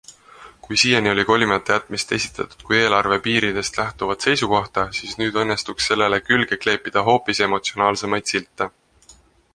Kui siiani oli kolimata jätmist esitatud kui eelarve piiridest lähtuvat seisukohta, siis nüüd õnnestuks sellele külge kleepida hoopis emotsionaalsemaid silte.